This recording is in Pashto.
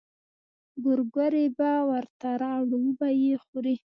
ګورګورې به ورته راوړو وبه يې خوري.